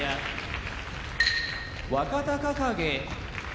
若隆景